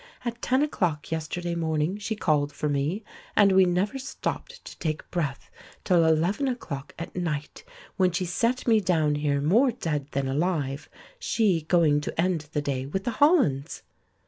At ten o'clock yesterday morning she called for me, and we never stopped to take breath till eleven o'clock at night, when she set me down here more dead than alive, she going to end the day with the Hollands!"